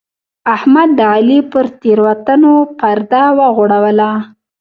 احمد د علي پر تېروتنو پرده وغوړوله.